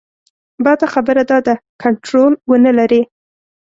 بده خبره دا ده کنټرول ونه لري.